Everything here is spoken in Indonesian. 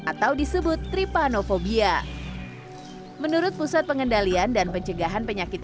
atau disebut tripanofobia menurut pusat pengendalian dan pencegahan penyakit